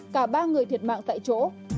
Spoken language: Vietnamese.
cả ba người thiệt mạng tại chỗ